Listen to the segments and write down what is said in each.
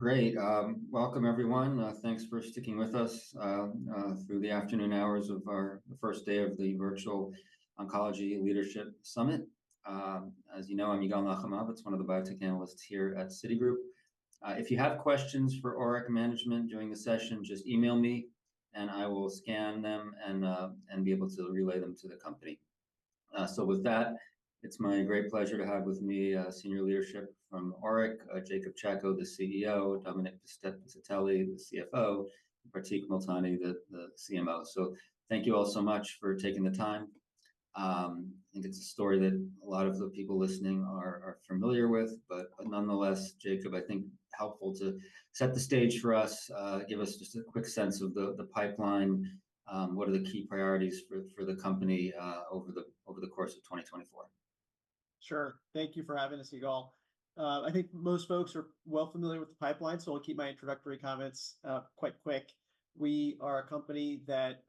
Great. Welcome everyone. Thanks for sticking with us, through the afternoon hours of our first day of the Virtual Oncology Leadership Summit. As you know, I'm Yigal Nochomovitz. It's one of the biotech analysts here at Citigroup. If you have questions for ORIC management during the session, just email me, and I will scan them and, and be able to relay them to the company. So with that, it's my great pleasure to have with me, senior leadership from ORIC, Jacob Chacko, the CEO, Dominic Piscitelli, the CFO, and Pratik Multani, the, the CMO. So thank you all so much for taking the time. I think it's a story that a lot of the people listening are familiar with, but nonetheless, Jacob, I think, helpful to set the stage for us, give us just a quick sense of the pipeline, what are the key priorities for the company, over the course of 2024. Sure. Thank you for having us, Yigal. I think most folks are well familiar with the pipeline, so I'll keep my introductory comments quite quick. We are a company that,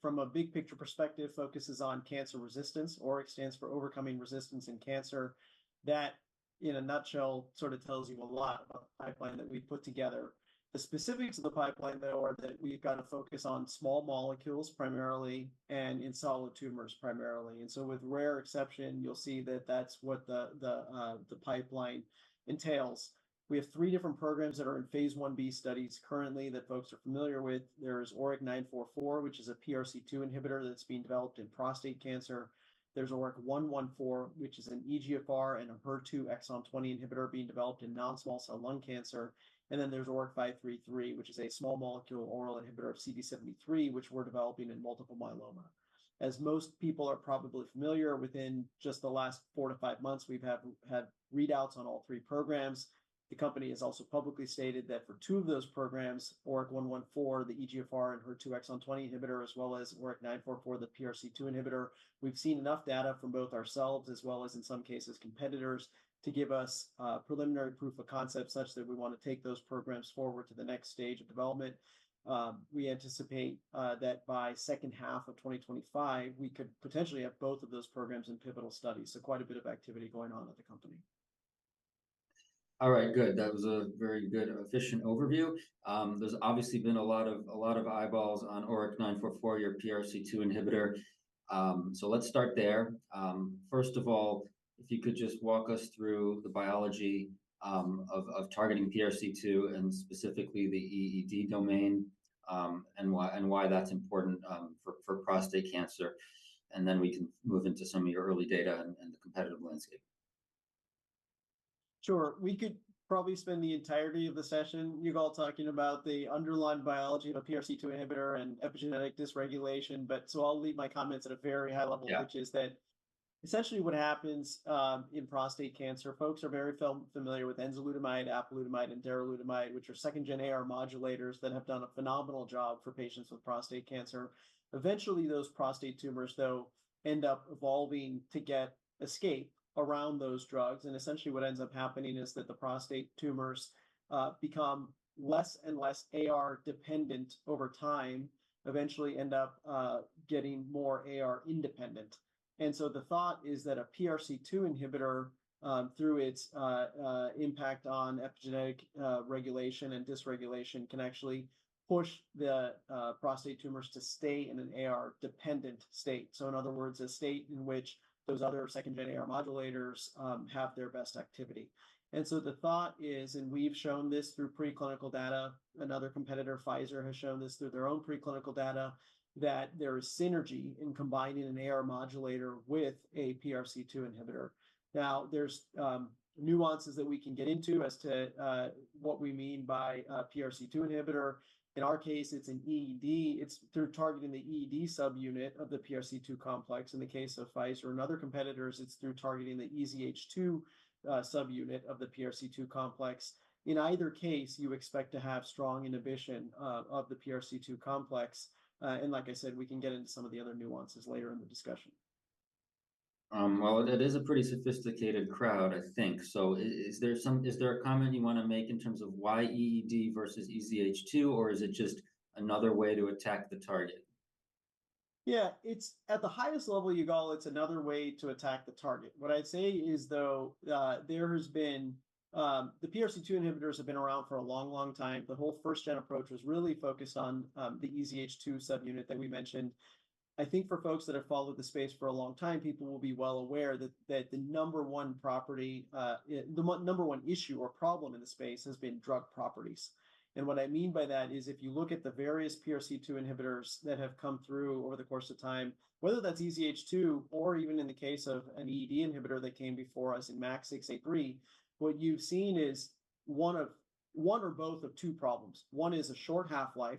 from a big picture perspective, focuses on cancer resistance. ORIC stands for Overcoming Resistance in Cancer. That, in a nutshell, sort of tells you a lot about the pipeline that we put together. The specifics of the pipeline, though, are that we've got to focus on small molecules primarily and in solid tumors primarily. And so with rare exception, you'll see that that's what the pipeline entails. We have three different programs that are in phase I-B studies currently that folks are familiar with. There's ORIC-944, which is a PRC2 inhibitor that's being developed in prostate cancer. There's ORIC-114, which is an EGFR and a HER2 exon 20 inhibitor being developed in non-small cell lung cancer. And then there's ORIC-533, which is a small molecule oral inhibitor of CD73, which we're developing in multiple myeloma. As most people are probably familiar, within just the last 4-5 months, we've had readouts on all three programs. The company has also publicly stated that for two of those programs, ORIC-114, the EGFR and HER2 exon 20 inhibitor, as well as ORIC-944, the PRC2 inhibitor, we've seen enough data from both ourselves as well as, in some cases, competitors to give us preliminary proof of concept such that we want to take those programs forward to the next stage of development. We anticipate that by second half of 2025, we could potentially have both of those programs in pivotal studies. So quite a bit of activity going on at the company. All right. Good. That was a very good, efficient overview. There's obviously been a lot of a lot of eyeballs on ORIC-944, your PRC2 inhibitor. So let's start there. First of all, if you could just walk us through the biology of targeting PRC2 and specifically the EED domain, and why that's important for prostate cancer. And then we can move into some of your early data and the competitive landscape. Sure. We could probably spend the entirety of the session, Yigal, talking about the underlying biology of a PRC2 inhibitor and epigenetic dysregulation. But so I'll leave my comments at a very high level, which is that essentially what happens, in prostate cancer, folks are very familiar with enzalutamide, apalutamide, and darolutamide, which are second-gen AR modulators that have done a phenomenal job for patients with prostate cancer. Eventually, those prostate tumors, though, end up evolving to get escape around those drugs. And essentially what ends up happening is that the prostate tumors, become less and less AR dependent over time, eventually end up, getting more AR independent. And so the thought is that a PRC2 inhibitor, through its, impact on epigenetic, regulation and dysregulation can actually push the, prostate tumors to stay in an AR dependent state. So in other words, a state in which those other second-gen AR modulators have their best activity. And so the thought is, and we've shown this through preclinical data, another competitor, Pfizer, has shown this through their own preclinical data, that there is synergy in combining an AR modulator with a PRC2 inhibitor. Now, there are nuances that we can get into as to what we mean by PRC2 inhibitor. In our case, it's an EED. It's through targeting the EED subunit of the PRC2 complex. In the case of Pfizer or other competitors, it's through targeting the EZH2 subunit of the PRC2 complex. In either case, you expect to have strong inhibition of the PRC2 complex. And like I said, we can get into some of the other nuances later in the discussion. Well, it is a pretty sophisticated crowd, I think. So is there a comment you want to make in terms of why EED versus EZH2, or is it just another way to attack the target? Yeah, it's at the highest level, Yigal, it's another way to attack the target. What I'd say is, though, there has been the PRC2 inhibitors have been around for a long, long time. The whole first-gen approach was really focused on, the EZH2 subunit that we mentioned. I think for folks that have followed the space for a long time, people will be well aware that that the number one property, the number one issue or problem in the space has been drug properties. And what I mean by that is if you look at the various PRC2 inhibitors that have come through over the course of time, whether that's EZH2 or even in the case of an EED inhibitor that came before us in MAK683, what you've seen is one of one or both of two problems. One is a short half-life.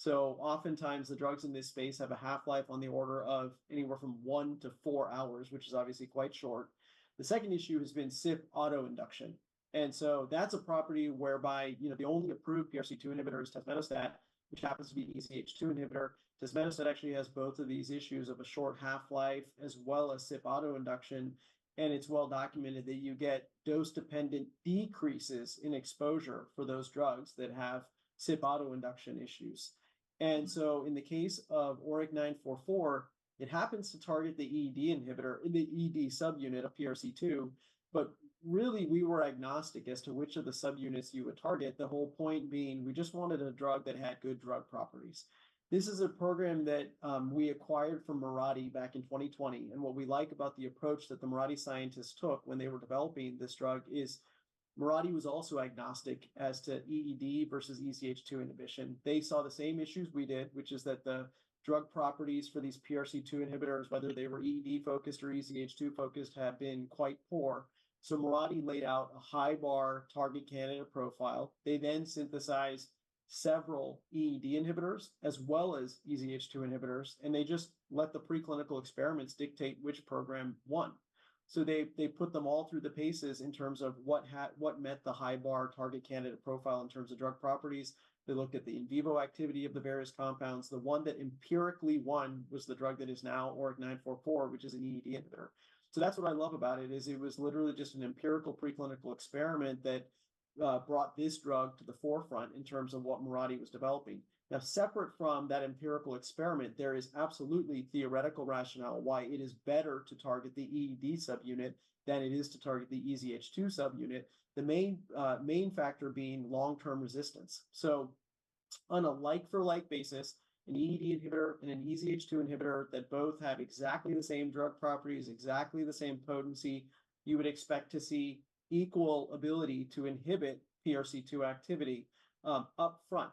So oftentimes, the drugs in this space have a half-life on the order of anywhere from 1-4 hours, which is obviously quite short. The second issue has been CYP autoinduction. And so that's a property whereby, you know, the only approved PRC2 inhibitor is tazemetostat, which happens to be an EZH2 inhibitor. Tazemetostat actually has both of these issues of a short half-life as well as CYP autoinduction. And it's well documented that you get dose-dependent decreases in exposure for those drugs that have CYP autoinduction issues. And so in the case of ORIC-944, it happens to target the EED subunit of PRC2. But really, we were agnostic as to which of the subunits you would target, the whole point being we just wanted a drug that had good drug properties. This is a program that, we acquired from Mirati back in 2020. And what we like about the approach that the Mirati scientists took when they were developing this drug is Mirati was also agnostic as to EED versus EZH2 inhibition. They saw the same issues we did, which is that the drug properties for these PRC2 inhibitors, whether they were EED-focused or EZH2-focused, have been quite poor. So Mirati laid out a high-bar target candidate profile. They then synthesized several EED inhibitors as well as EZH2 inhibitors. And they just let the preclinical experiments dictate which program won. So they put them all through the paces in terms of what met the high-bar target candidate profile in terms of drug properties. They looked at the in vivo activity of the various compounds. The one that empirically won was the drug that is now ORIC-944, which is an EED inhibitor. So that's what I love about it is it was literally just an empirical preclinical experiment that brought this drug to the forefront in terms of what Mirati was developing. Now, separate from that empirical experiment, there is absolutely theoretical rationale why it is better to target the EED subunit than it is to target the EZH2 subunit, the main, main factor being long-term resistance. So on a like-for-like basis, an EED inhibitor and an EZH2 inhibitor that both have exactly the same drug properties, exactly the same potency, you would expect to see equal ability to inhibit PRC2 activity, upfront.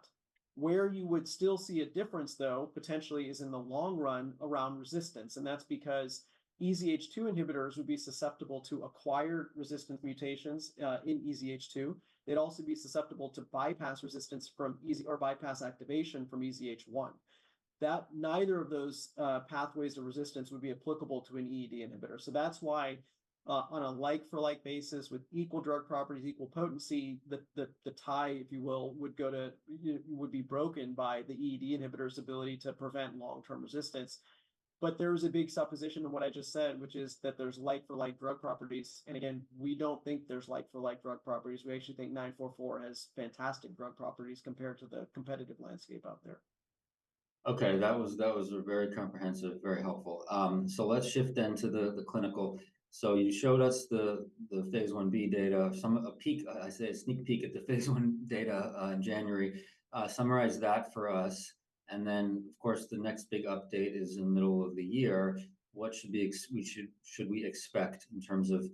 Where you would still see a difference, though, potentially is in the long run around resistance. And that's because EZH2 inhibitors would be susceptible to acquired resistance mutations, in EZH2. They'd also be susceptible to bypass resistance from EZH1 or bypass activation from EZH1. That neither of those pathways of resistance would be applicable to an EED inhibitor. So that's why, on a like-for-like basis with equal drug properties, equal potency, the tie, if you will, would go to you would be broken by the EED inhibitor's ability to prevent long-term resistance. But there is a big supposition to what I just said, which is that there's like-for-like drug properties. And again, we don't think there's like-for-like drug properties. We actually think 944 has fantastic drug properties compared to the competitive landscape out there. Okay. That was very comprehensive, very helpful. So let's shift then to the clinical. So you showed us the phase I-B data, a sneak peek at the phase I data in January. Summarize that for us. And then, of course, the next big update is in the middle of the year. What should we expect in terms of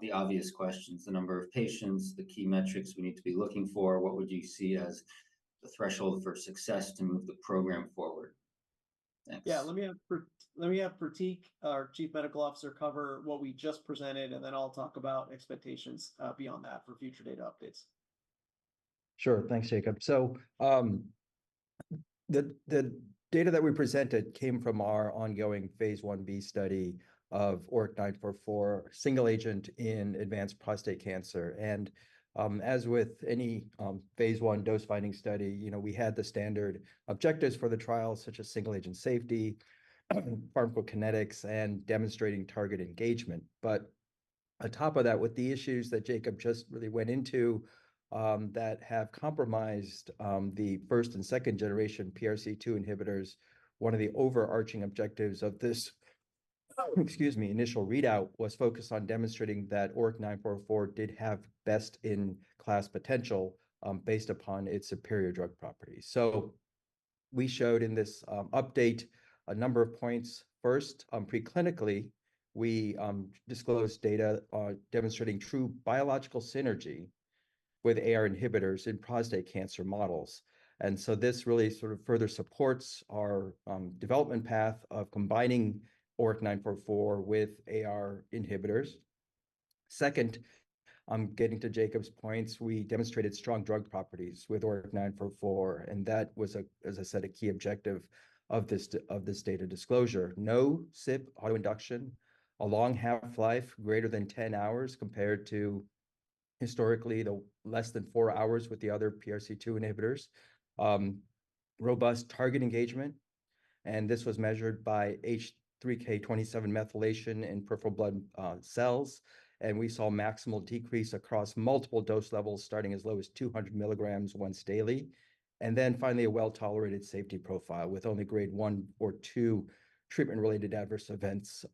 the obvious questions, the number of patients, the key metrics we need to be looking for? What would you see as the threshold for success to move the program forward? Thanks. Yeah. Let me have Pratik, our Chief Medical Officer, cover what we just presented, and then I'll talk about expectations beyond that for future data updates. Sure. Thanks, Jacob. So, the data that we presented came from our ongoing phase I-B study of ORIC-944, single agent in advanced prostate cancer. And as with any phase I dose-finding study, you know, we had the standard objectives for the trial, such as single agent safety, pharmacokinetics, and demonstrating target engagement. But on top of that, with the issues that Jacob just really went into that have compromised the first- and second-generation PRC2 inhibitors, one of the overarching objectives of this, excuse me, initial readout was focused on demonstrating that ORIC-944 did have best-in-class potential, based upon its superior drug properties. So we showed in this update a number of points. First, preclinically, we disclosed data demonstrating true biological synergy with AR inhibitors in prostate cancer models. And so this really sort of further supports our development path of combining ORIC-944 with AR inhibitors. Second, getting to Jacob's points, we demonstrated strong drug properties with ORIC-944. And that was, as I said, a key objective of this data disclosure. No CYP autoinduction, a long half-life, greater than 10 hours compared to historically the less than four hours with the other PRC2 inhibitors. Robust target engagement. And this was measured by H3K27 methylation in peripheral blood cells. And we saw maximal decrease across multiple dose levels starting as low as 200 mg once daily. And then finally, a well-tolerated safety profile with only Grade 1 or 2 treatment-related adverse events,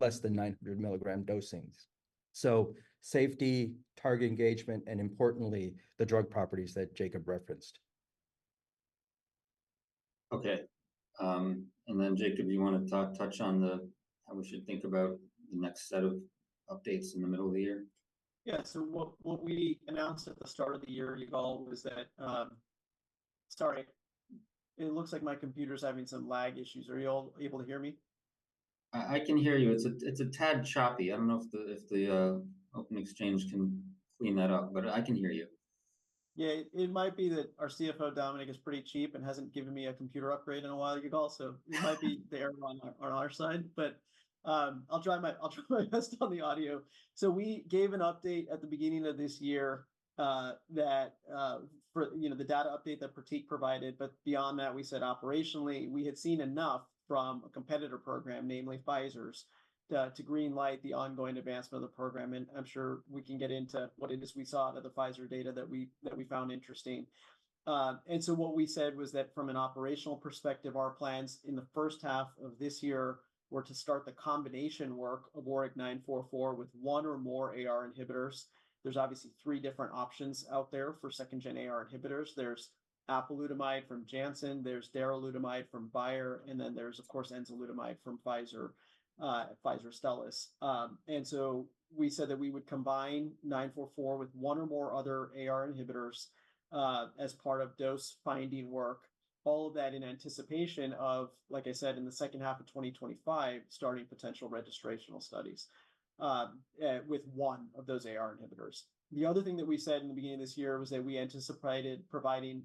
less than 900 mg dosings. So safety, target engagement, and importantly, the drug properties that Jacob referenced. Okay. And then, Jacob, do you want to touch on how we should think about the next set of updates in the middle of the year? Yeah. So what we announced at the start of the year, Yigal, was that, sorry, it looks like my computer's having some lag issues. Are you all able to hear me? I can hear you. It's a tad choppy. I don't know if the OpenExchange can clean that up, but I can hear you. Yeah. It might be that our CFO, Dominic, is pretty cheap and hasn't given me a computer upgrade in a while, Yigal. So it might be the error on our side. But I'll try my best on the audio. So we gave an update at the beginning of this year, that, for, you know, the data update that Pratik provided. But beyond that, we said operationally, we had seen enough from a competitor program, namely Pfizer, to greenlight the ongoing advancement of the program. And I'm sure we can get into what it is we saw out of the Pfizer data that we found interesting. And so what we said was that from an operational perspective, our plans in the first half of this year were to start the combination work of ORIC-944 with one or more AR inhibitors. There's obviously three different options out there for second-gen AR inhibitors. There's apalutamide from Janssen. There's darolutamide from Bayer. And then there's, of course, enzalutamide from Pfizer Astellas. And so we said that we would combine 944 with one or more other AR inhibitors, as part of dose-finding work, all of that in anticipation of, like I said, in the second half of 2025, starting potential registrational studies, with one of those AR inhibitors. The other thing that we said in the beginning of this year was that we anticipated providing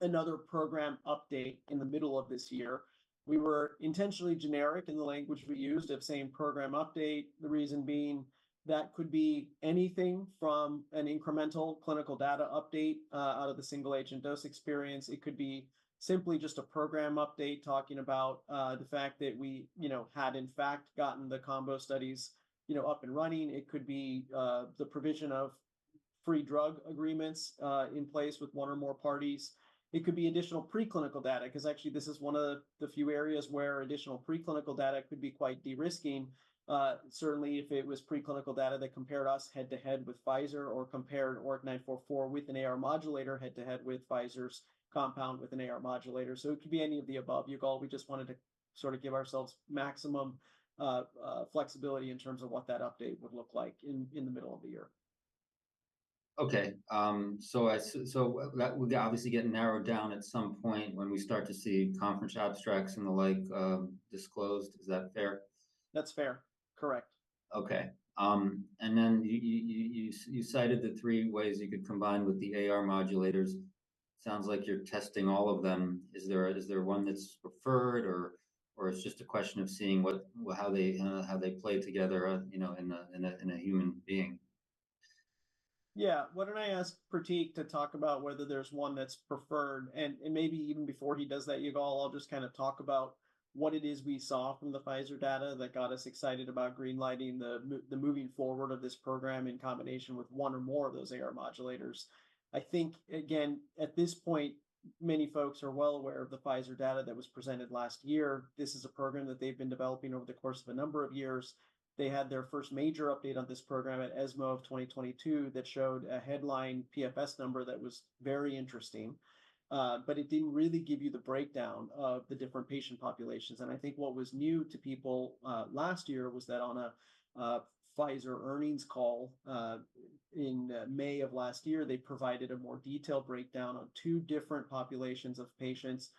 another program update in the middle of this year. We were intentionally generic in the language we used of same program update, the reason being that could be anything from an incremental clinical data update, out of the single agent dose experience. It could be simply just a program update talking about the fact that we, you know, had in fact gotten the combo studies, you know, up and running. It could be the provision of free drug agreements in place with one or more parties. It could be additional preclinical data because actually, this is one of the few areas where additional preclinical data could be quite de-risking, certainly if it was preclinical data that compared us head-to-head with Pfizer or compared ORIC-944 with an AR modulator head-to-head with Pfizer's compound with an AR modulator. So it could be any of the above, Yigal. We just wanted to sort of give ourselves maximum flexibility in terms of what that update would look like in the middle of the year. Okay. So that we'll obviously get narrowed down at some point when we start to see conference abstracts and the like, disclosed. Is that fair? That's fair. Correct. Okay. And then you cited the three ways you could combine with the AR modulators. Sounds like you're testing all of them. Is there one that's preferred, or it's just a question of seeing how they play together, you know, in a human being? Yeah. Why don't I ask Pratik to talk about whether there's one that's preferred? And maybe even before he does that, Yigal, I'll just kind of talk about what it is we saw from the Pfizer data that got us excited about greenlighting the moving forward of this program in combination with one or more of those AR modulators. I think, again, at this point, many folks are well aware of the Pfizer data that was presented last year. This is a program that they've been developing over the course of a number of years. They had their first major update on this program at ESMO of 2022 that showed a headline PFS number that was very interesting. But it didn't really give you the breakdown of the different patient populations. And I think what was new to people last year was that on a Pfizer earnings call in May of last year, they provided a more detailed breakdown on two different populations of patients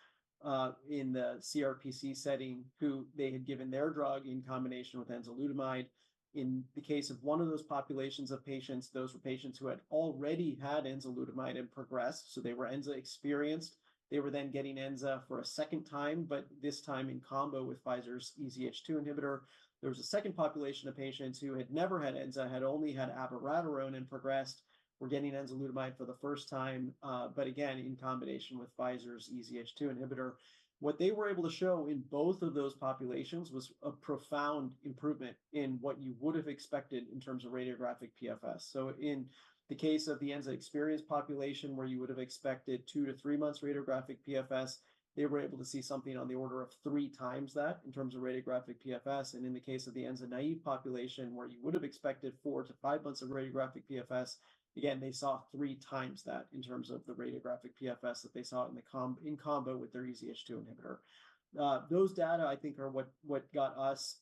in the CRPC setting who they had given their drug in combination with enzalutamide. In the case of one of those populations of patients, those were patients who had already had enzalutamide and progressed. So they were Enza experienced. They were then getting Enza for a second time, but this time in combo with Pfizer's EZH2 inhibitor. There was a second population of patients who had never had Enza, had only had abiraterone and progressed, were getting enzalutamide for the first time, but again, in combination with Pfizer's EZH2 inhibitor. What they were able to show in both of those populations was a profound improvement in what you would have expected in terms of radiographic PFS. In the case of the Enza experienced population, where you would have expected 2-3 months radiographic PFS, they were able to see something on the order of 3x that in terms of radiographic PFS. In the case of the Enza naive population, where you would have expected 4-5 months of radiographic PFS, again, they saw three times that in terms of the radiographic PFS that they saw in the combo with their EZH2 inhibitor. Those data, I think, are what got us,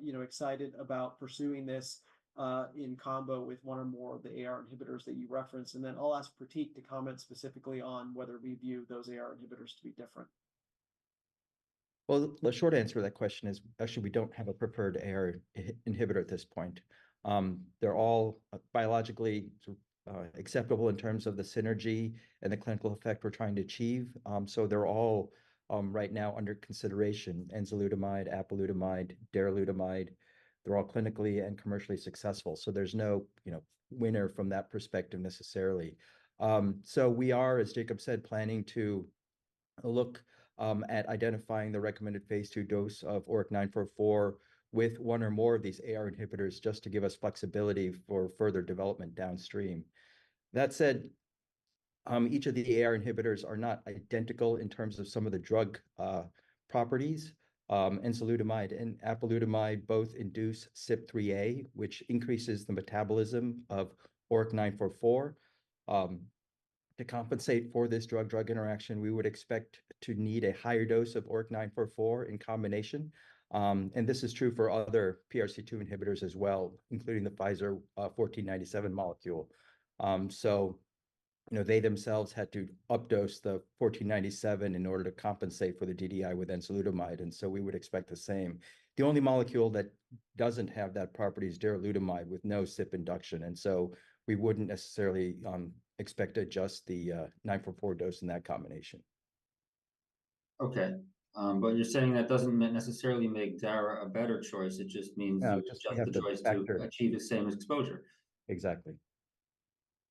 you know, excited about pursuing this, in combo with one or more of the AR inhibitors that you referenced. Then I'll ask Pratik to comment specifically on whether we view those AR inhibitors to be different. Well, the short answer to that question is actually, we don't have a preferred AR inhibitor at this point. They're all biologically sort of, acceptable in terms of the synergy and the clinical effect we're trying to achieve. So they're all, right now under consideration, enzalutamide, apalutamide, darolutamide. They're all clinically and commercially successful. So there's no, you know, winner from that perspective necessarily. So we are, as Jacob said, planning to look, at identifying the recommended phase II dose of ORIC-944 with one or more of these AR inhibitors just to give us flexibility for further development downstream. That said, each of the AR inhibitors are not identical in terms of some of the drug, properties. Enzalutamide and apalutamide both induce CYP3A, which increases the metabolism of ORIC-944. To compensate for this drug-drug interaction, we would expect to need a higher dose of ORIC-944 in combination. And this is true for other PRC2 inhibitors as well, including the Pfizer 1497 molecule. So, you know, they themselves had to updose the 1497 in order to compensate for the DDI with enzalutamide. And so we would expect the same. The only molecule that doesn't have that property is darolutamide with no CYP induction. And so we wouldn't necessarily expect to adjust the 944 dose in that combination. Okay. But you're saying that doesn't necessarily make Dara a better choice. It just means it's just the choice to achieve the same exposure. Exactly.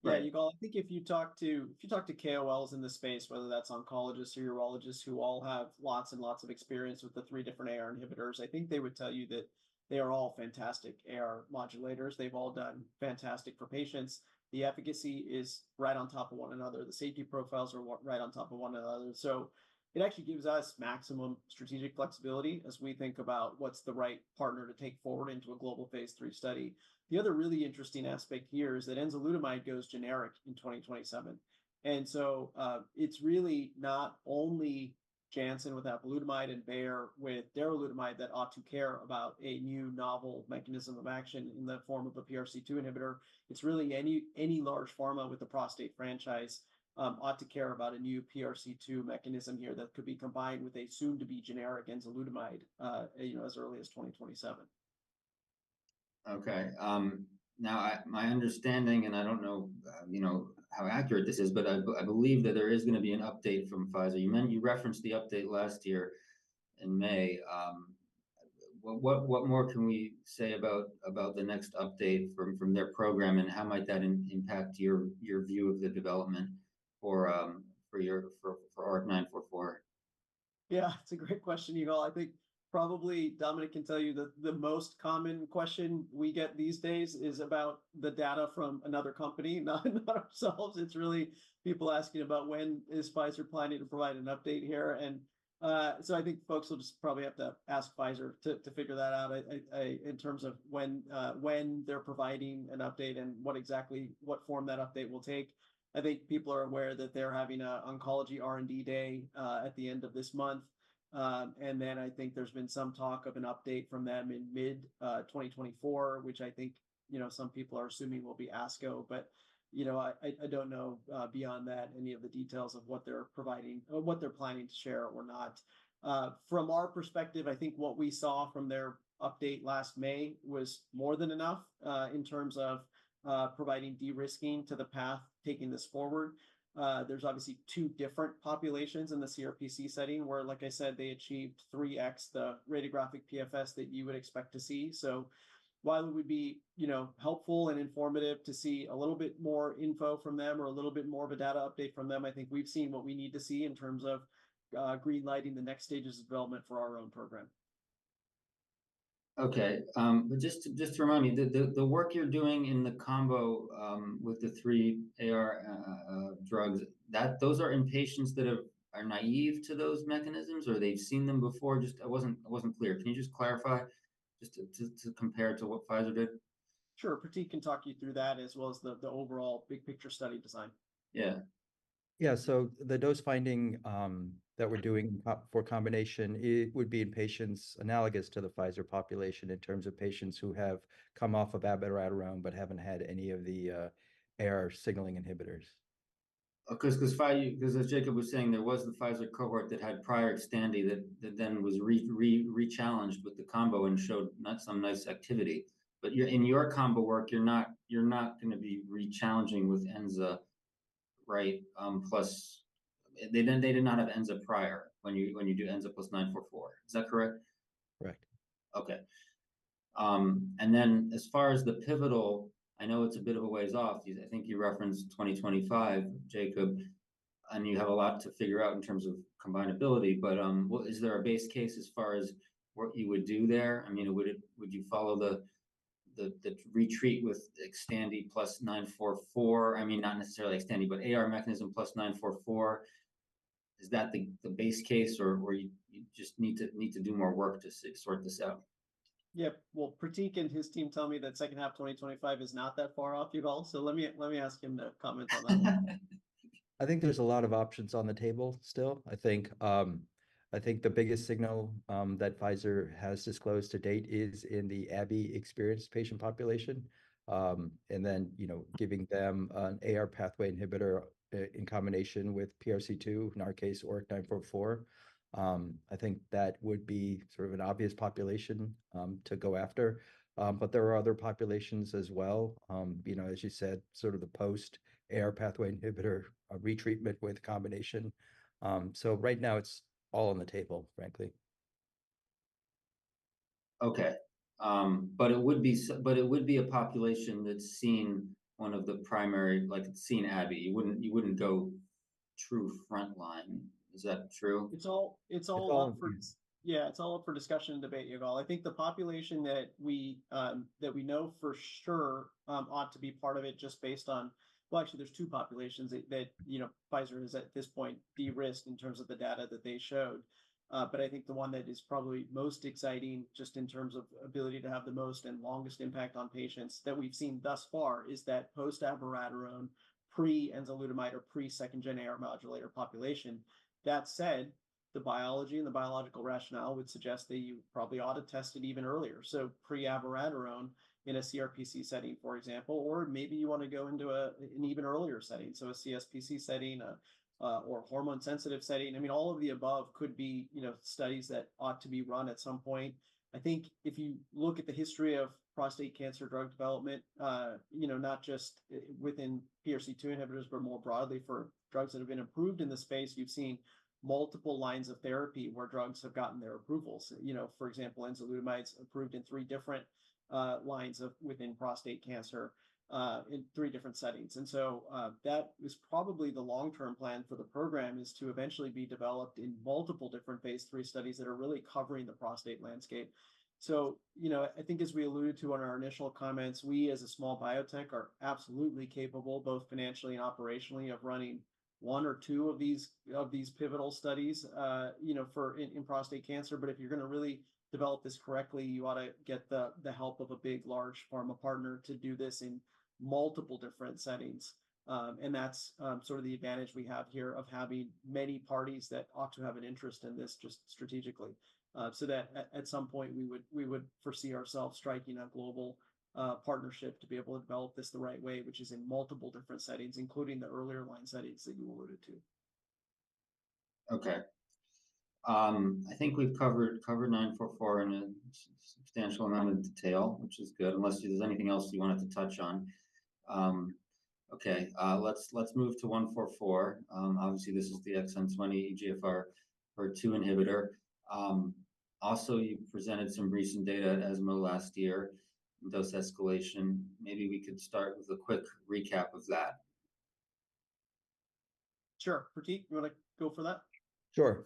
Yeah. Yigal, I think if you talk to KOLs in the space, whether that's oncologists or urologists who all have lots and lots of experience with the three different AR inhibitors, I think they would tell you that they are all fantastic AR modulators. They've all done fantastic for patients. The efficacy is right on top of one another. The safety profiles are right on top of one another. So it actually gives us maximum strategic flexibility as we think about what's the right partner to take forward into a global phase III study. The other really interesting aspect here is that enzalutamide goes generic in 2027. And so, it's really not only Janssen with apalutamide and Bayer with darolutamide that ought to care about a new novel mechanism of action in the form of a PRC2 inhibitor. It's really any large pharma with the prostate franchise ought to care about a new PRC2 mechanism here that could be combined with a soon-to-be generic enzalutamide, you know, as early as 2027. Okay. Now, my understanding, and I don't know, you know, how accurate this is, but I believe that there is going to be an update from Pfizer. You mentioned you referenced the update last year in May. What more can we say about the next update from their program, and how might that impact your view of the development for your ORIC-944? Yeah. It's a great question, Yigal. I think probably Dominic can tell you that the most common question we get these days is about the data from another company, not ourselves. It's really people asking about when is Pfizer planning to provide an update here. And, so I think folks will just probably have to ask Pfizer to figure that out, I in terms of when they're providing an update and what form that update will take. I think people are aware that they're having an oncology R&D day at the end of this month. And then I think there's been some talk of an update from them in mid-2024, which I think, you know, some people are assuming will be ASCO. But, you know, I don't know, beyond that, any of the details of what they're providing or what they're planning to share or not. From our perspective, I think what we saw from their update last May was more than enough, in terms of, providing de-risking to the path, taking this forward. There's obviously two different populations in the CRPC setting where, like I said, they achieved 3x the radiographic PFS that you would expect to see. So while it would be, you know, helpful and informative to see a little bit more info from them or a little bit more of a data update from them, I think we've seen what we need to see in terms of, greenlighting the next stages of development for our own program. Okay. But just to remind me, the work you're doing in the combo with the three AR drugs, those are in patients that are naive to those mechanisms, or they've seen them before? I wasn't clear. Can you just clarify to compare it to what Pfizer did? Sure. Pratik can talk you through that as well as the overall big picture study design. Yeah. Yeah. So the dose-finding that we're doing for combination would be in patients analogous to the Pfizer population in terms of patients who have come off of abiraterone but haven't had any of the AR signaling inhibitors. Because as Jacob was saying, there was the Pfizer cohort that had prior XTANDI that then was rechallenged with the combo and showed some nice activity. But you're in your combo work, you're not going to be rechallenging with Enza, right? Plus they then did not have Enza prior when you do Enza plus 944. Is that correct? Correct. Okay. And then as far as the pivotal, I know it's a bit of a ways off. I think you referenced 2025, Jacob, and you have a lot to figure out in terms of combinability. But, is there a base case as far as what you would do there? I mean, would you follow the retreat with XTANDI plus 944? I mean, not necessarily XTANDI, but AR mechanism plus 944. Is that the base case, or you just need to do more work to sort this out? Yep. Well, Pratik and his team tell me that second half of 2025 is not that far off, Yigal. So let me ask him to comment on that one. I think there's a lot of options on the table still. I think I think the biggest signal, that Pfizer has disclosed to date is in the AbbVie experienced patient population. And then, you know, giving them an AR pathway inhibitor in combination with PRC2, in our case, ORIC-944. I think that would be sort of an obvious population, to go after. But there are other populations as well. You know, as you said, sort of the post-AR pathway inhibitor retreatment with combination. So right now, it's all on the table, frankly. Okay. But it would be a population that's seen one of the primary like it's seen AbbVie. You wouldn't go to frontline. Is that true? It's all up for discussion and debate, Yigal. I think the population that we know for sure ought to be part of it just based on well, actually, there's two populations that, you know, Pfizer has at this point de-risked in terms of the data that they showed. But I think the one that is probably most exciting just in terms of ability to have the most and longest impact on patients that we've seen thus far is that post-abiraterone, pre-enzalutamide, or pre-second-gen AR modulator population. That said, the biology and the biological rationale would suggest that you probably ought to test it even earlier. So pre-abiraterone in a CRPC setting, for example, or maybe you want to go into an even earlier setting, so a CSPC setting, or hormone-sensitive setting. I mean, all of the above could be, you know, studies that ought to be run at some point. I think if you look at the history of prostate cancer drug development, you know, not just within PRC2 inhibitors, but more broadly for drugs that have been approved in the space, you've seen multiple lines of therapy where drugs have gotten their approvals. You know, for example, enzalutamide's approved in three different, lines of within prostate cancer, in three different settings. And so, that is probably the long-term plan for the program is to eventually be developed in multiple different phase III studies that are really covering the prostate landscape. So, you know, I think as we alluded to in our initial comments, we as a small biotech are absolutely capable, both financially and operationally, of running one or two of these pivotal studies, you know, for in prostate cancer. But if you're going to really develop this correctly, you ought to get the help of a big, large pharma partner to do this in multiple different settings. And that's, sort of the advantage we have here of having many parties that ought to have an interest in this just strategically. So that at some point, we would foresee ourselves striking a global partnership to be able to develop this the right way, which is in multiple different settings, including the earlier line settings that you alluded to. Okay. I think we've covered 944 in a substantial amount of detail, which is good, unless there's anything else you wanted to touch on. Okay. Let's move to 144. Obviously, this is the exon 20 EGFR HER2 inhibitor. Also, you presented some recent data at ESMO last year, dose escalation. Maybe we could start with a quick recap of that. Sure. Pratik, you want to go for that? Sure.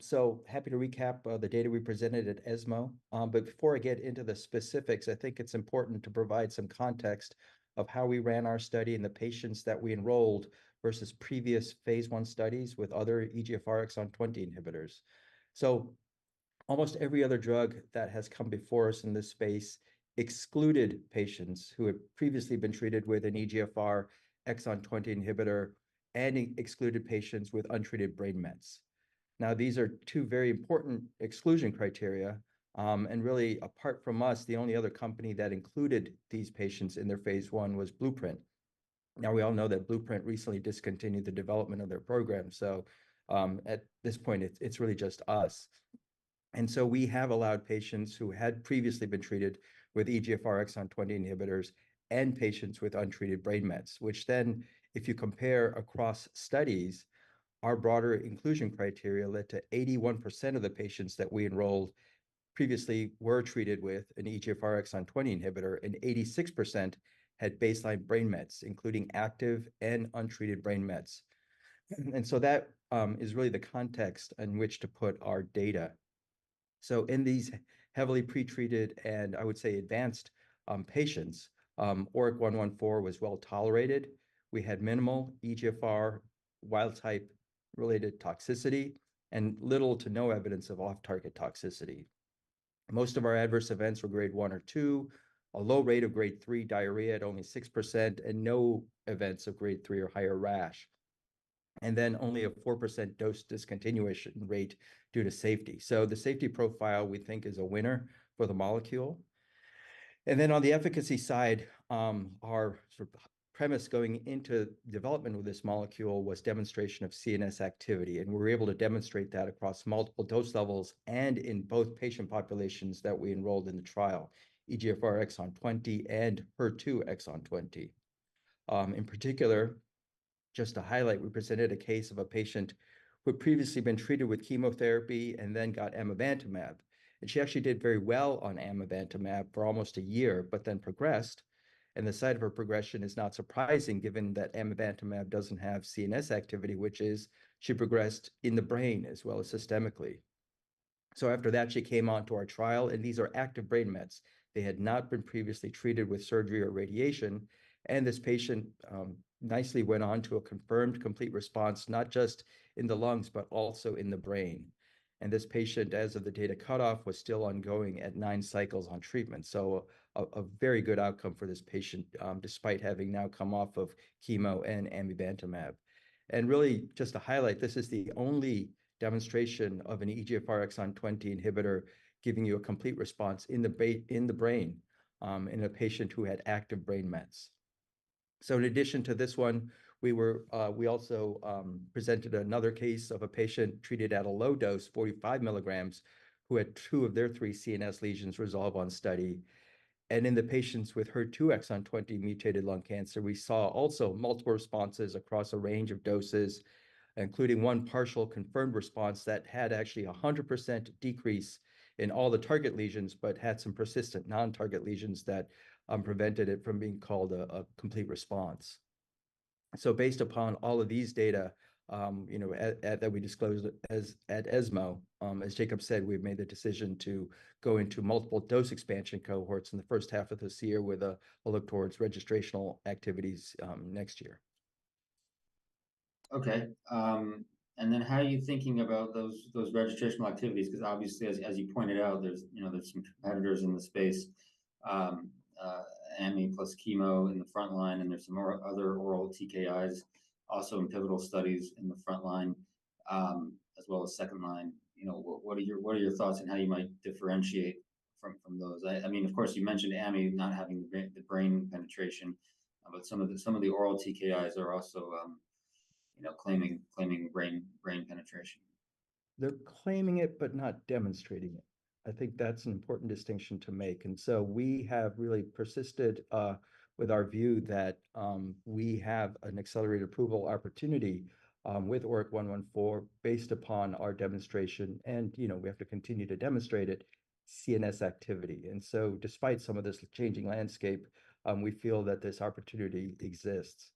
So happy to recap the data we presented at ESMO. But before I get into the specifics, I think it's important to provide some context of how we ran our study and the patients that we enrolled versus previous phase I studies with other EGFR exon 20 inhibitors. So almost every other drug that has come before us in this space excluded patients who had previously been treated with an EGFR exon 20 inhibitor and excluded patients with untreated brain mets. Now, these are two very important exclusion criteria. And really, apart from us, the only other company that included these patients in their phase I was Blueprint. Now, we all know that Blueprint recently discontinued the development of their program. So, at this point, it's really just us. And so we have allowed patients who had previously been treated with EGFR exon 20 inhibitors and patients with untreated brain mets, which then, if you compare across studies, our broader inclusion criteria led to 81% of the patients that we enrolled previously were treated with an EGFR exon 20 inhibitor, and 86% had baseline brain mets, including active and untreated brain mets. And so that, is really the context in which to put our data. So in these heavily pretreated and, I would say, advanced, patients, ORIC-114 was well tolerated. We had minimal EGFR wild-type related toxicity and little to no evidence of off-target toxicity. Most of our adverse events were Grade 1 or 2, a low rate of Grade 3 diarrhea at only 6%, and no events of Grade 3 or higher rash. And then only a 4% dose discontinuation rate due to safety. So the safety profile, we think, is a winner for the molecule. And then on the efficacy side, our sort of premise going into development with this molecule was demonstration of CNS activity. And we were able to demonstrate that across multiple dose levels and in both patient populations that we enrolled in the trial, EGFR exon 20 and HER2 exon 20. In particular, just to highlight, we presented a case of a patient who had previously been treated with chemotherapy and then got amivantamab. And she actually did very well on amivantamab for almost a year, but then progressed. And the site of her progression is not surprising given that amivantamab doesn't have CNS activity, which is she progressed in the brain as well as systemically. So after that, she came on to our trial, and these are active brain mets. They had not been previously treated with surgery or radiation. And this patient, nicely went on to a confirmed complete response, not just in the lungs, but also in the brain. And this patient, as of the data cutoff, was still ongoing at 9 cycles on treatment. So a very good outcome for this patient, despite having now come off of chemo and amivantamab. And really, just to highlight, this is the only demonstration of an EGFR exon 20 inhibitor giving you a complete response in the brain, in a patient who had active brain mets. So in addition to this one, we also presented another case of a patient treated at a low dose, 45 milligrams, who had two of their three CNS lesions resolve on study. In the patients with HER2 exon 20 mutated lung cancer, we saw also multiple responses across a range of doses, including one partial confirmed response that had actually 100% decrease in all the target lesions but had some persistent non-target lesions that prevented it from being called a complete response. So based upon all of these data, you know, at that we disclosed as at ESMO, as Jacob said, we've made the decision to go into multiple dose expansion cohorts in the first half of this year with a look towards registrational activities next year. Okay. And then how are you thinking about those registrational activities? Because obviously, as you pointed out, there's, you know, some competitors in the space, AMI plus chemo in the frontline, and there's some other oral TKIs also in pivotal studies in the frontline, as well as second line. You know, what are your thoughts and how you might differentiate from those? I mean, of course, you mentioned AMI not having the brain penetration, but some of the oral TKIs are also, you know, claiming brain penetration. They're claiming it, but not demonstrating it. I think that's an important distinction to make. And so we have really persisted with our view that we have an accelerated approval opportunity with ORIC-114 based upon our demonstration and, you know, we have to continue to demonstrate it, CNS activity. And so despite some of this changing landscape, we feel that this opportunity exists.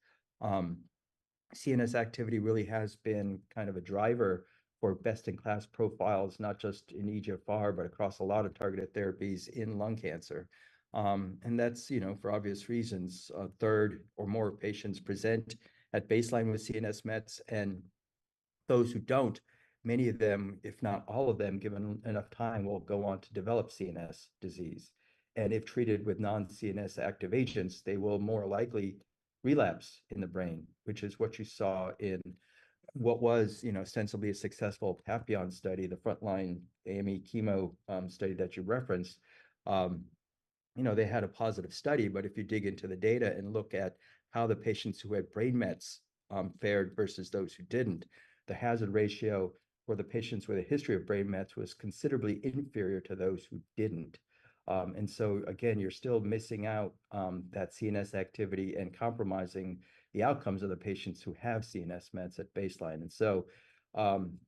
CNS activity really has been kind of a driver for best-in-class profiles, not just in EGFR, but across a lot of targeted therapies in lung cancer. And that's, you know, for obvious reasons. A third or more patients present at baseline with CNS mets, and those who don't, many of them, if not all of them, given enough time, will go on to develop CNS disease. If treated with non-CNS active agents, they will more likely relapse in the brain, which is what you saw in what was, you know, sensibly a successful PAPILLON study, the frontline amivantamab chemo study that you referenced. You know, they had a positive study, but if you dig into the data and look at how the patients who had brain mets fared versus those who didn't, the hazard ratio for the patients with a history of brain mets was considerably inferior to those who didn't. And so again, you're still missing out that CNS activity and compromising the outcomes of the patients who have CNS mets at baseline. And so,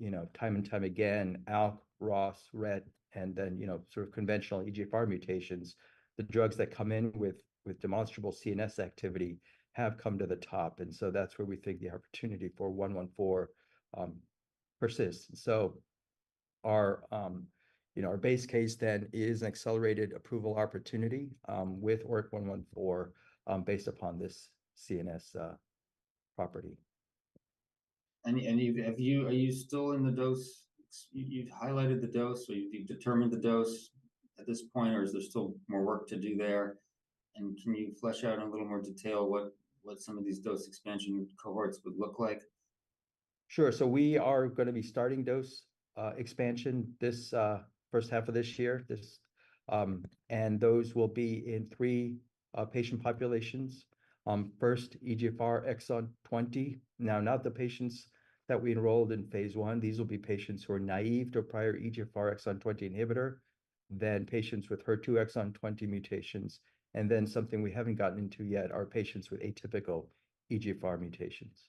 you know, time and time again, ALK, ROS, RET, and then, you know, sort of conventional EGFR mutations, the drugs that come in with demonstrable CNS activity have come to the top. That's where we think the opportunity for ORIC-114 persists. Our, you know, our base case then is an accelerated approval opportunity with ORIC-114 based upon this CNS property. And are you still in the dose you've highlighted or you've determined the dose at this point, or is there still more work to do there? And can you flesh out in a little more detail what some of these dose expansion cohorts would look like? Sure. So we are going to be starting dose expansion this first half of this year, and those will be in three patient populations. First, EGFR exon 20. Now, not the patients that we enrolled in phase I. These will be patients who are naïve to a prior EGFR exon 20 inhibitor. Then patients with HER2 exon 20 mutations. And then something we haven't gotten into yet are patients with atypical EGFR mutations.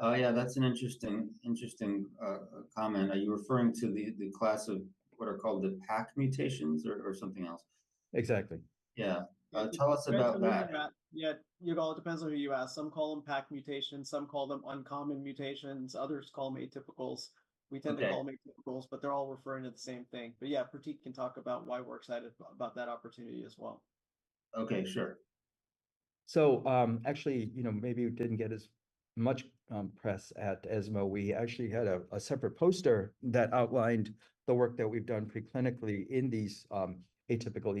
Oh, yeah, that's an interesting comment. Are you referring to the class of what are called the PACC mutations or something else? Exactly. Yeah. Tell us about that. Yeah, Yigal, it depends on who you ask. Some call them PACC mutations. Some call them uncommon mutations. Others call them atypicals. We tend to call them atypicals, but they're all referring to the same thing. But yeah, Pratik can talk about why we're excited about that opportunity as well. Okay, sure. So, actually, you know, maybe we didn't get as much press at ESMO. We actually had a separate poster that outlined the work that we've done preclinically in these atypical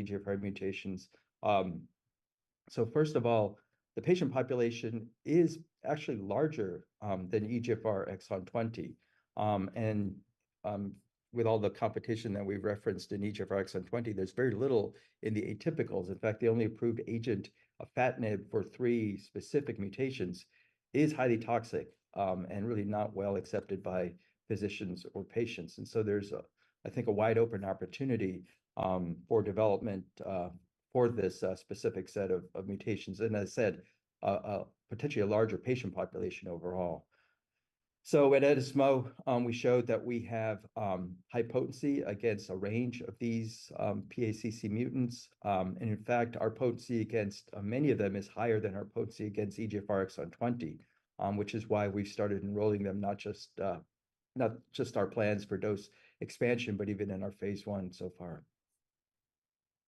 EGFR mutations. So first of all, the patient population is actually larger than EGFR exon 20. And with all the competition that we've referenced in EGFR exon 20, there's very little in the atypicals. In fact, the only approved agent, afatinib, for three specific mutations is highly toxic and really not well accepted by physicians or patients. And so there's, I think, a wide open opportunity for development for this specific set of mutations. And as I said, potentially a larger patient population overall. So at ESMO, we showed that we have high potency against a range of these PACC mutants. In fact, our potency against many of them is higher than our potency against EGFR exon 20, which is why we've started enrolling them not just our plans for dose expansion, but even in our phase I so far.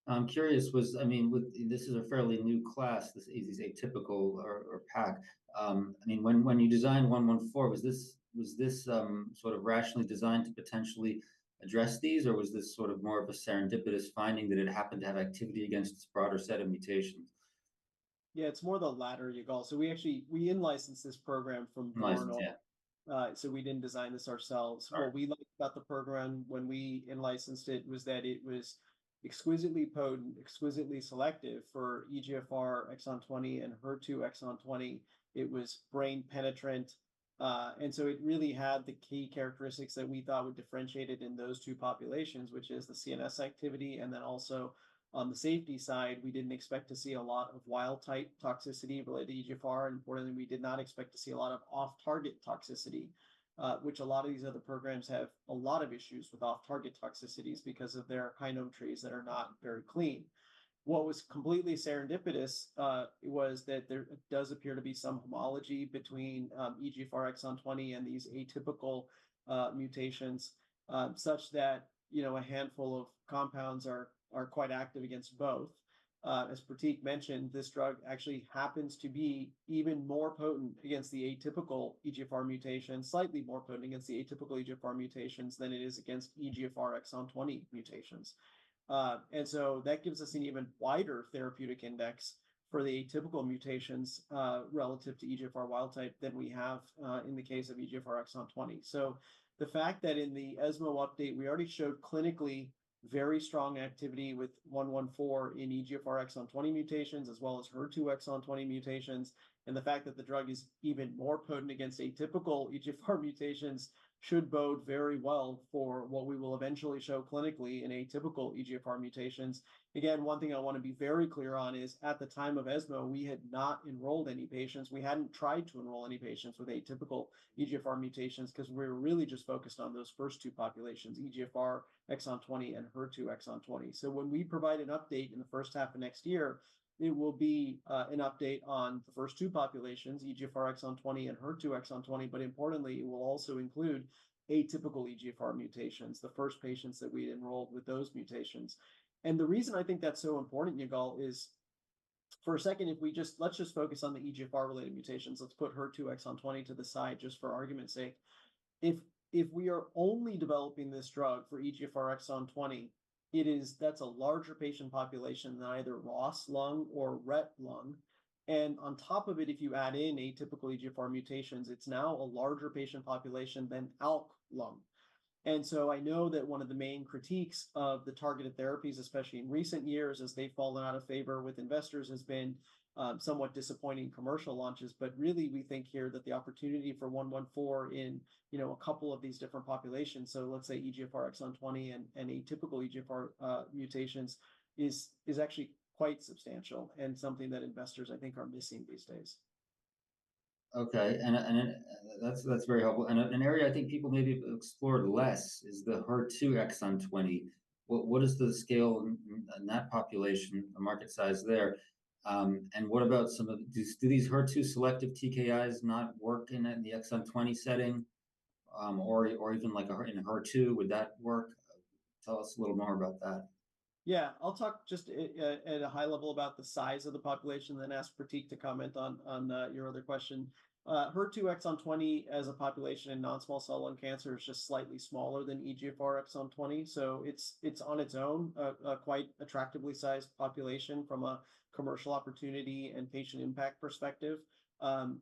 I'm curious, I mean, with this is a fairly new class, this is atypical or PACC. I mean, when you designed 114, was this sort of rationally designed to potentially address these, or was this sort of more of a serendipitous finding that it happened to have activity against this broader set of mutations? Yeah, it's more the latter, Yigal. So we actually in-licensed this program from Voronoi. So we didn't design this ourselves. What we liked about the program when we in-licensed it was that it was exquisitely potent, exquisitely selective for EGFR exon 20 and HER2 exon 20. It was brain penetrant. And so it really had the key characteristics that we thought would differentiate it in those two populations, which is the CNS activity. And then also on the safety side, we didn't expect to see a lot of wild-type toxicity related to EGFR. And importantly, we did not expect to see a lot of off-target toxicity, which a lot of these other programs have a lot of issues with off-target toxicities because of their kinome trees that are not very clean. What was completely serendipitous was that there does appear to be some homology between EGFR exon 20 and these atypical mutations, such that, you know, a handful of compounds are quite active against both. As Pratik mentioned, this drug actually happens to be even more potent against the atypical EGFR mutations, slightly more potent against the atypical EGFR mutations than it is against EGFR exon 20 mutations. And so that gives us an even wider therapeutic index for the atypical mutations relative to EGFR wild-type than we have in the case of EGFR exon 20. So the fact that in the ESMO update, we already showed clinically very strong activity with 114 in EGFR exon 20 mutations as well as HER2 exon 20 mutations. And the fact that the drug is even more potent against atypical EGFR mutations should bode very well for what we will eventually show clinically in atypical EGFR mutations. Again, one thing I want to be very clear on is at the time of ESMO, we had not enrolled any patients. We hadn't tried to enroll any patients with atypical EGFR mutations because we were really just focused on those first two populations, EGFR exon 20 and HER2 exon 20. So when we provide an update in the first half of next year, it will be an update on the first two populations, EGFR exon 20 and HER2 exon 20, but importantly, it will also include atypical EGFR mutations, the first patients that we enrolled with those mutations. And the reason I think that's so important, Yigal, is for a second, if we just let's just focus on the EGFR-related mutations. Let's put HER2 exon 20 to the side just for argument's sake. If we are only developing this drug for EGFR exon 20, it is—that's a larger patient population than either ROS1 lung or RET lung. And on top of it, if you add in atypical EGFR mutations, it's now a larger patient population than ALK lung. And so I know that one of the main critiques of the targeted therapies, especially in recent years as they've fallen out of favor with investors, has been somewhat disappointing commercial launches. But really, we think here that the opportunity for 114 in, you know, a couple of these different populations, so let's say EGFR exon 20 and atypical EGFR mutations, is actually quite substantial and something that investors, I think, are missing these days. Okay. That's very helpful. An area I think people maybe have explored less is the HER2 exon 20. What is the scale in that population, the market size there? And what about some of these? Do these HER2 selective TKIs not work in the exon 20 setting? Or even like in HER2, would that work? Tell us a little more about that. Yeah, I'll talk just at a high level about the size of the population, then ask Pratik to comment on your other question. HER2 exon 20 as a population in non-small cell lung cancer is just slightly smaller than EGFR exon 20. So it's on its own a quite attractively sized population from a commercial opportunity and patient impact perspective. And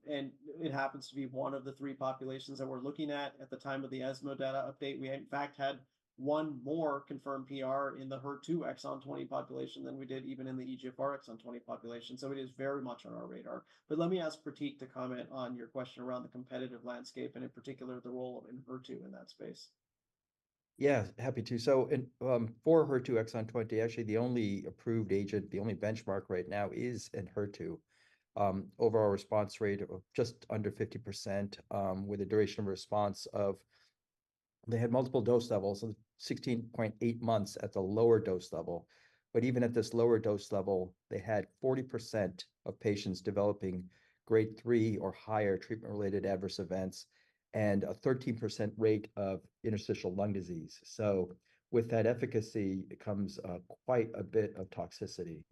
it happens to be one of the three populations that we're looking at at the time of the ESMO data update. We in fact had one more confirmed PR in the HER2 exon 20 population than we did even in the EGFR exon 20 population. So it is very much on our radar. But let me ask Pratik to comment on your question around the competitive landscape and in particular the role of in HER2 in that space. Yeah, happy to. So, for HER2 exon 20, actually the only approved agent, the only benchmark right now is ENHERTU. Overall response rate of just under 50% with a duration of response of they had multiple dose levels, so 16.8 months at the lower dose level. But even at this lower dose level, they had 40% of patients developing Grade 3 or higher treatment-related adverse events and a 13% rate of interstitial lung disease. So with that efficacy, it comes quite a bit of toxicity.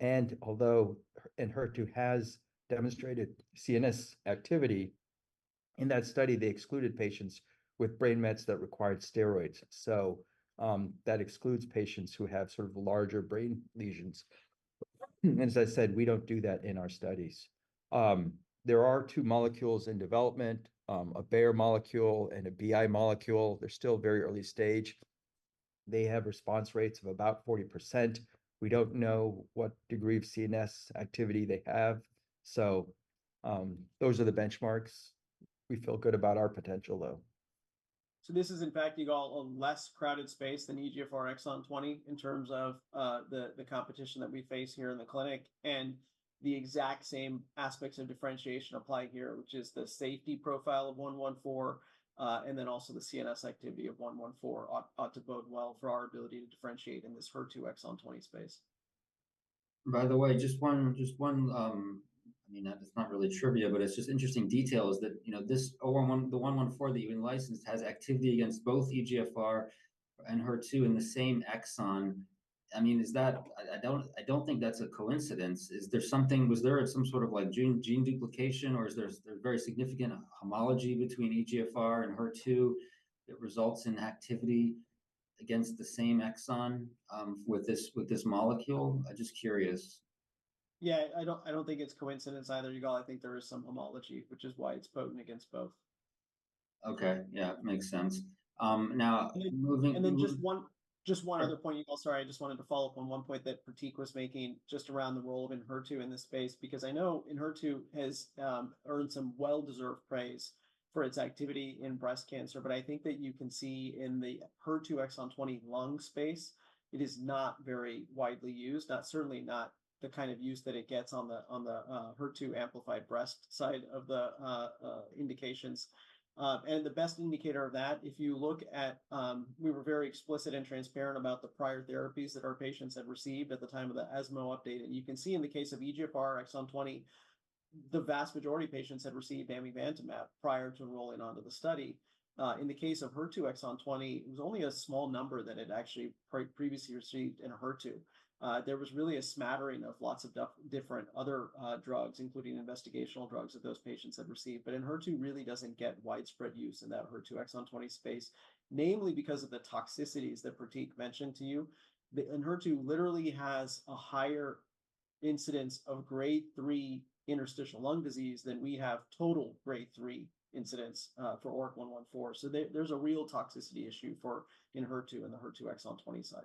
And although ENHERTU has demonstrated CNS activity, in that study, they excluded patients with brain mets that required steroids. So that excludes patients who have sort of larger brain lesions. And as I said, we don't do that in our studies. There are two molecules in development, a Bayer molecule and a BI molecule. They're still very early stage. They have response rates of about 40%. We don't know what degree of CNS activity they have. So those are the benchmarks. We feel good about our potential, though. So this is in fact, Yigal, a less crowded space than EGFR exon 20 in terms of the competition that we face here in the clinic. And the exact same aspects of differentiation apply here, which is the safety profile of 114 and then also the CNS activity of 114 ought to bode well for our ability to differentiate in this HER2 exon 20 space. By the way, just one. I mean, that's not really trivia, but it's just interesting details that, you know, the ORIC-114 that you licensed has activity against both EGFR and HER2 in the same exon. I mean, is that I don't think that's a coincidence. Is there something? Was there some sort of like gene duplication, or is there very significant homology between EGFR and HER2 that results in activity against the same exon with this molecule? I'm just curious. Yeah, I don't think it's coincidence either, Yigal. I think there is some homology, which is why it's potent against both. Okay. Yeah, makes sense. Now moving. And then just one other point, Yigal. Sorry, I just wanted to follow up on one point that Pratik was making just around the role of HER2 in this space, because I know HER2 has earned some well-deserved praise for its activity in breast cancer. But I think that you can see in the HER2 exon 20 lung space, it is not very widely used, not certainly not the kind of use that it gets on the HER2 amplified breast side of the indications. And the best indicator of that, if you look at we were very explicit and transparent about the prior therapies that our patients had received at the time of the ESMO update. And you can see in the case of EGFR exon 20, the vast majority of patients had received amivantamab prior to enrolling onto the study. In the case of HER2 exon 20, it was only a small number that had actually previously received ENHERTU. There was really a smattering of lots of different other drugs, including investigational drugs that those patients had received. But ENHERTU really doesn't get widespread use in that HER2 exon 20 space, namely because of the toxicities that Pratik mentioned to you. The ENHERTU literally has a higher incidence of Grade 3 interstitial lung disease than we have total Grade 3 incidents for ORIC-114. So there's a real toxicity issue for ENHERTU and the HER2 exon 20 side.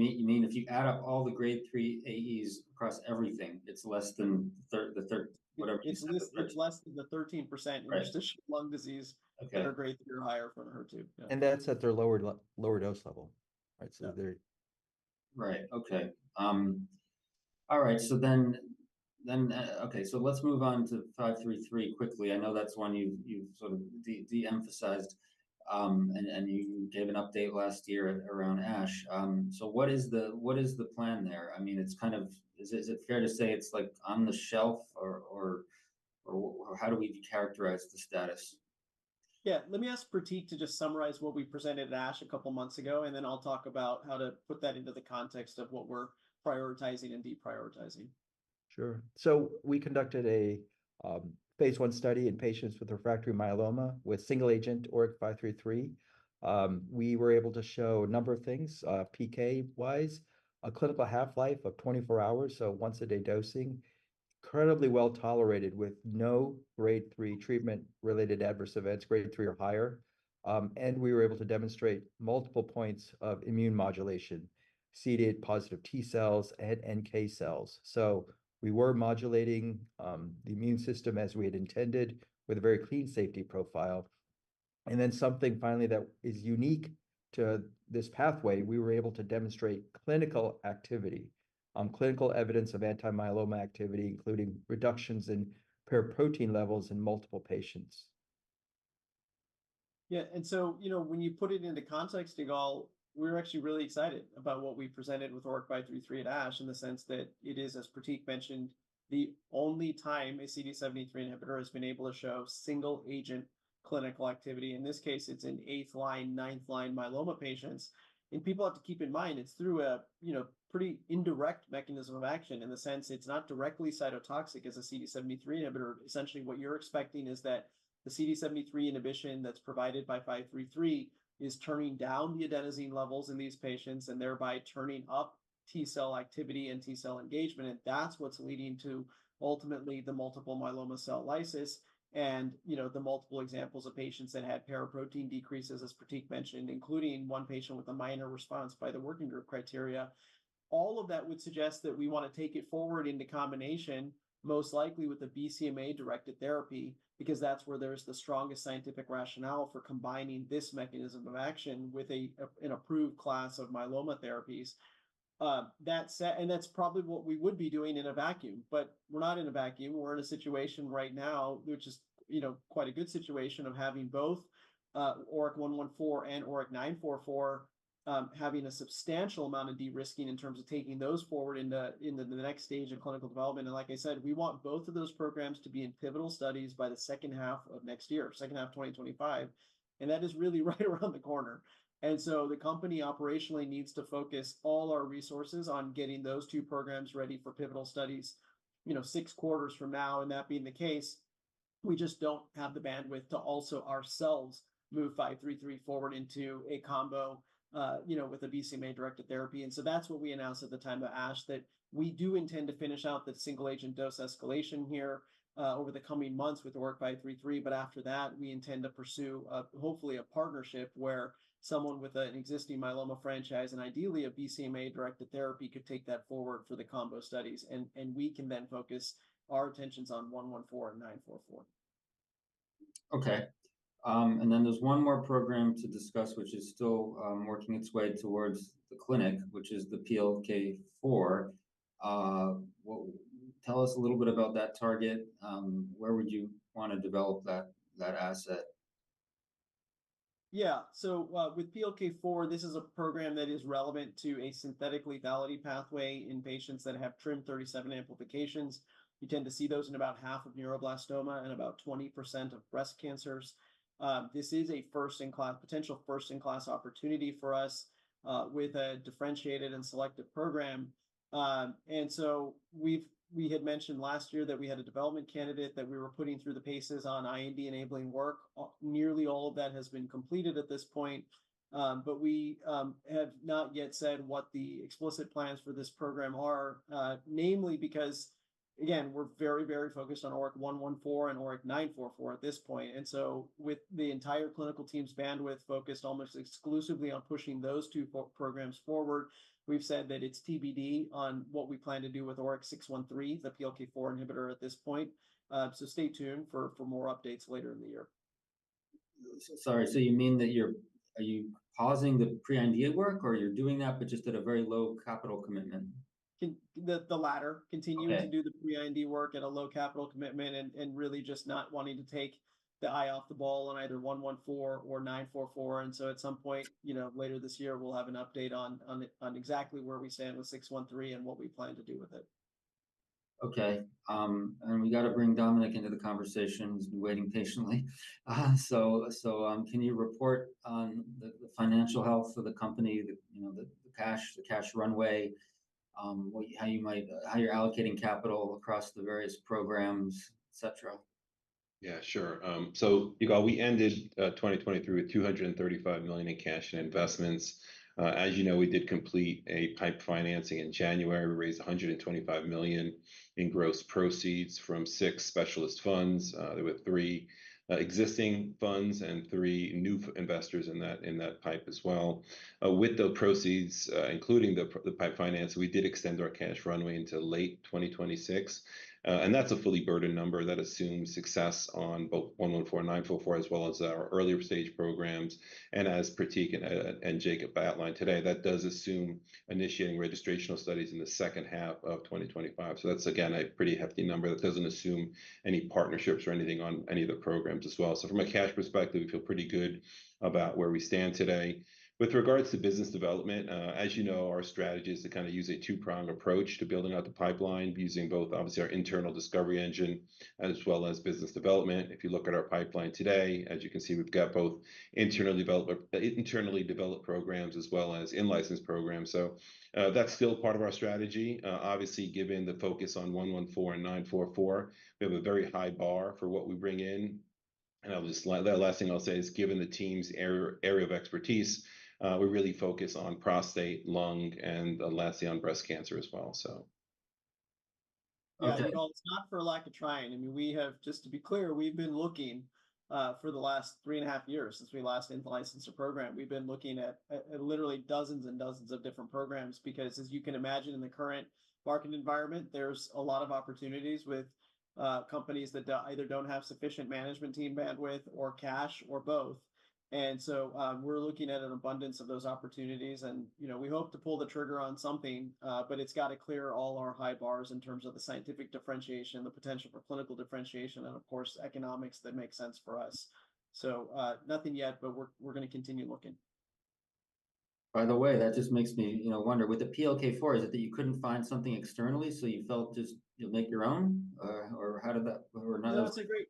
You mean if you add up all the Grade AEs across everything, it's less than the whatever you say. It's less than the 13% interstitial lung disease that are Grade 3 or higher for HER2. That's at their lower dose level, right? So they're. Right. Okay. All right. So then okay, so let's move on to 533 quickly. I know that's one you've sort of deemphasized and you gave an update last year around ASH. So what is the plan there? I mean, it's kind of, is it fair to say it's like on the shelf or how do we characterize the status? Yeah, let me ask Pratik to just summarize what we presented at ASH a couple of months ago, and then I'll talk about how to put that into the context of what we're prioritizing and deprioritizing. Sure. So we conducted a phase I study in patients with refractory myeloma with single agent ORIC-533. We were able to show a number of things PK-wise, a clinical half-life of 24 hours, so once-a-day dosing, incredibly well tolerated with no Grade 3 treatment-related adverse events, Grade 3 or higher. And we were able to demonstrate multiple points of immune modulation, CD8 positive T cells and NK cells. So we were modulating the immune system as we had intended with a very clean safety profile. And then something finally that is unique to this pathway, we were able to demonstrate clinical activity, clinical evidence of antimyeloma activity, including reductions in paraprotein levels in multiple patients. Yeah. And so, you know, when you put it into context, Yigal, we were actually really excited about what we presented with ORIC-533 at ASH in the sense that it is, as Pratik mentioned, the only time a CD73 inhibitor has been able to show single agent clinical activity. In this case, it's in eighth line, ninth line myeloma patients. And people have to keep in mind, it's through a, you know, pretty indirect mechanism of action in the sense it's not directly cytotoxic as a CD73 inhibitor. Essentially, what you're expecting is that the CD73 inhibition that's provided by 533 is turning down the adenosine levels in these patients and thereby turning up T cell activity and T cell engagement. That's what's leading to ultimately the multiple myeloma cell lysis and, you know, the multiple examples of patients that had paraprotein decreases, as Pratik mentioned, including one patient with a minor response by the working group criteria. All of that would suggest that we want to take it forward into combination, most likely with the BCMA-directed therapy, because that's where there's the strongest scientific rationale for combining this mechanism of action with an approved class of myeloma therapies. That said and that's probably what we would be doing in a vacuum, but we're not in a vacuum. We're in a situation right now, which is, you know, quite a good situation of having both ORIC-114 and ORIC-944 having a substantial amount of de-risking in terms of taking those forward into the next stage of clinical development. And like I said, we want both of those programs to be in pivotal studies by the second half of next year, second half of 2025. And that is really right around the corner. And so the company operationally needs to focus all our resources on getting those two programs ready for pivotal studies, you know, six quarters from now. And that being the case, we just don't have the bandwidth to also ourselves move 533 forward into a combo, you know, with a BCMA-directed therapy. And so that's what we announced at the time of ASH, that we do intend to finish out the single agent dose escalation here over the coming months with ORIC-533. But after that, we intend to pursue hopefully a partnership where someone with an existing myeloma franchise and ideally a BCMA-directed therapy could take that forward for the combo studies. And we can then focus our attentions on 114 and 944. Okay. And then there's one more program to discuss, which is still working its way towards the clinic, which is the PLK4. Tell us a little bit about that target. Where would you want to develop that asset? Yeah. So with PLK4, this is a program that is relevant to a synthetically valid pathway in patients that have TRIM37 amplifications. You tend to see those in about half of neuroblastoma and about 20% of breast cancers. This is a first-in-class potential first-in-class opportunity for us with a differentiated and selective program. And so we've had mentioned last year that we had a development candidate that we were putting through the paces on IND-enabling work. Nearly all of that has been completed at this point, but we have not yet said what the explicit plans for this program are, namely because, again, we're very, very focused on ORIC-114 and ORIC-944 at this point. And so with the entire clinical team's bandwidth focused almost exclusively on pushing those two programs forward, we've said that it's TBD on what we plan to do with ORIC-613, the PLK4 inhibitor at this point. So stay tuned for more updates later in the year. Sorry. So you mean that you're pausing the pre-IND work or you're doing that, but just at a very low capital commitment? The latter, continuing to do the pre-IND work at a low capital commitment and really just not wanting to take the eye off the ball on either 114 or 944. And so at some point, you know, later this year, we'll have an update on exactly where we stand with 613 and what we plan to do with it. Okay. And we got to bring Dominic into the conversation. He's been waiting patiently. So, can you report on the financial health of the company, the, you know, the cash runway, what, how you might, how you're allocating capital across the various programs, et cetera? Yeah, sure. So, Yigal, we ended 2023 with $235 million in cash and investments. As you know, we did complete a PIPE financing in January. We raised $125 million in gross proceeds from six specialist funds. There were three existing funds and three new investors in that PIPE as well. With those proceeds, including the PIPE finance, we did extend our cash runway into late 2026. And that's a fully burdened number that assumes success on both 114 and 944 as well as our earlier stage programs. And as Pratik and Jacob outlined today, that does assume initiating registrational studies in the second half of 2025. So that's, again, a pretty hefty number that doesn't assume any partnerships or anything on any of the programs as well. So from a cash perspective, we feel pretty good about where we stand today. With regards to business development, as you know, our strategy is to kind of use a two-pronged approach to building out the pipeline, using both obviously our internal discovery engine as well as business development. If you look at our pipeline today, as you can see, we've got both internally developed internally developed programs as well as in-license programs. So that's still part of our strategy. Obviously, given the focus on 114 and 944, we have a very high bar for what we bring in. And the last thing I'll say is given the team's area of expertise, we really focus on prostate, lung, and lastly, on breast cancer as well, so. Okay. It's not for lack of trying. I mean, we have just to be clear, we've been looking for the last 3.5 years since we last in-licensed a program. We've been looking at literally dozens and dozens of different programs because, as you can imagine, in the current market environment, there's a lot of opportunities with companies that either don't have sufficient management team bandwidth or cash or both. So we're looking at an abundance of those opportunities. And, you know, we hope to pull the trigger on something, but it's got to clear all our high bars in terms of the scientific differentiation, the potential for clinical differentiation, and, of course, economics that makes sense for us. So nothing yet, but we're going to continue looking. By the way, that just makes me, you know, wonder, with the PLK4, is it that you couldn't find something externally so you felt just you'll make your own? Or how did that or another.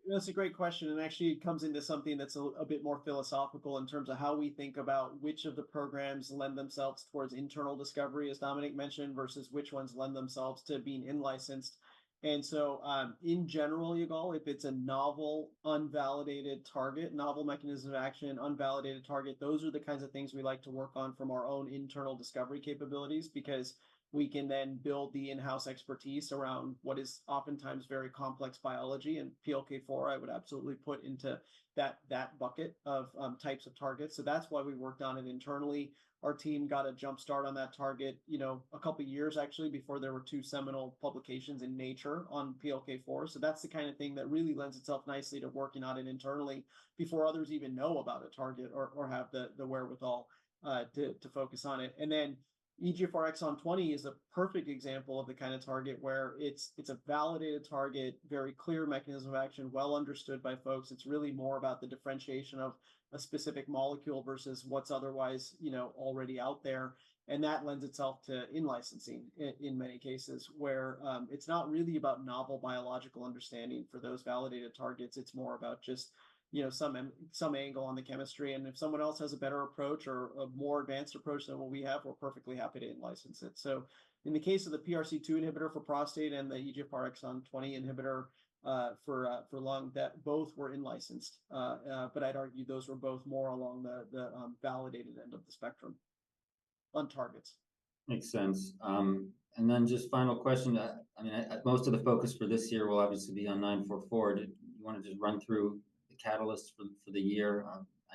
That's a great question. And actually, it comes into something that's a bit more philosophical in terms of how we think about which of the programs lend themselves towards internal discovery, as Dominic mentioned, versus which ones lend themselves to being in-licensed. And so in general, Yigal, if it's a novel, unvalidated target, novel mechanism of action, unvalidated target, those are the kinds of things we like to work on from our own internal discovery capabilities because we can then build the in-house expertise around what is oftentimes very complex biology. And PLK4, I would absolutely put into that bucket of types of targets. So that's why we worked on it internally. Our team got a jump start on that target, you know, a couple of years, actually, before there were two seminal publications in Nature on PLK4. So that's the kind of thing that really lends itself nicely to working on it internally before others even know about a target or have the wherewithal to focus on it. And then EGFR exon 20 is a perfect example of the kind of target where it's a validated target, very clear mechanism of action, well understood by folks. It's really more about the differentiation of a specific molecule versus what's otherwise, you know, already out there. And that lends itself to in-licensing in many cases where it's not really about novel biological understanding for those validated targets. It's more about just, you know, some angle on the chemistry. And if someone else has a better approach or a more advanced approach than what we have, we're perfectly happy to in-license it. So in the case of the PRC2 inhibitor for prostate and the EGFR exon 20 inhibitor for lung, that both were in-licensed. But I'd argue those were both more along the validated end of the spectrum on targets. Makes sense. Then just final question. I mean, most of the focus for this year will obviously be on 944. Did you want to just run through the catalysts for the year?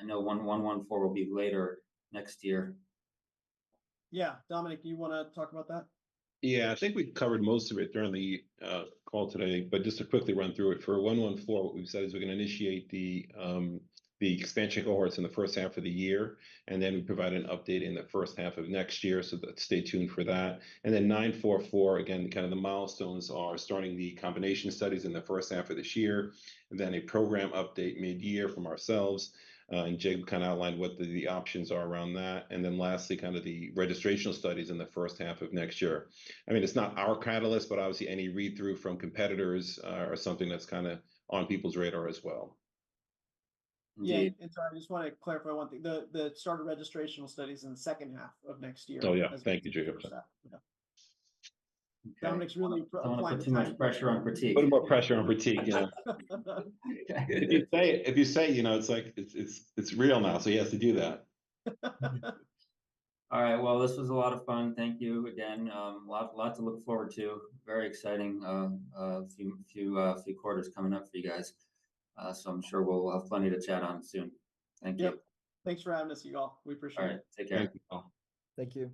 I know 114 will be later next year. Yeah. Dominic, do you want to talk about that? Yeah. I think we covered most of it during the call today, but just to quickly run through it. For 114, what we've said is we're going to initiate the expansion cohorts in the first half of the year, and then we provide an update in the first half of next year. So stay tuned for that. And then 944, again, kind of the milestones are starting the combination studies in the first half of this year, then a program update midyear from ourselves. And Jacob kind of outlined what the options are around that. And then lastly, kind of the registrational studies in the first half of next year. I mean, it's not our catalyst, but obviously, any read-through from competitors are something that's kind of on people's radar as well. Yeah. And so I just want to clarify one thing. The start of registrational studies in the second half of next year. Oh, yeah. Thank you, Jacob. Dominic's really applying the time. Put some pressure on Pratik. Put more pressure on Pratik, yeah. If you say it, if you say it, you know, it's like it's real now. So he has to do that. All right. Well, this was a lot of fun. Thank you again. A lot a lot to look forward to. Very exciting few quarters coming up for you guys. So I'm sure we'll have plenty to chat on soon. Thank you. Yeah. Thanks for having us, Yigal. We appreciate it. All right. Take care. Thank you, Yigal. Thank you.